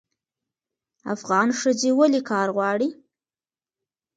افغان ښځې ولې کار غواړي؟